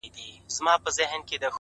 • ښکلی زلمی در څخه تللی وم بوډا راځمه ,